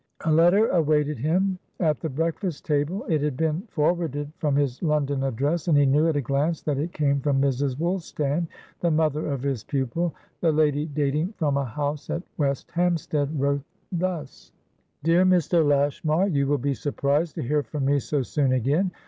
A letter awaited him at the breakfast table; it had been forwarded from his London address, and he knew at a glance that it came from Mrs. Woolstan, the mother of his pupil. The lady, dating from a house at West Hampstead, wrote thus: "Dear Mr. Lashmar, "You will be surprised to hear from me so soon again.